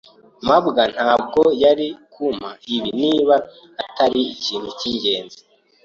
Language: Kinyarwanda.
mabwa ntabwo yari kumpa ibi niba atari ikintu cyingenzi.